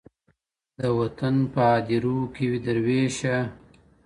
د وطن په هدیرو کې وي دروېشه!